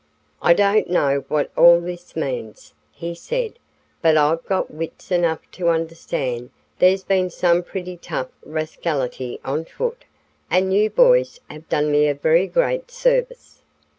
"I don't know what all this means," he said; "but I've got wits enough to understand there's been some pretty tough rascality on foot, and you boys have done me a very great service."